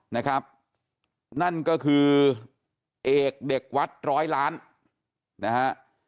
นะครับนั่นก็คือเอกเด็กวัดร้อยล้านนะฮะ